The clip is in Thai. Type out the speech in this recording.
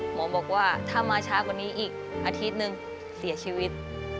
หมอบอกว่าถ้ามาช้ากว่านี้อีกอาทิตย์นึงเสียชีวิต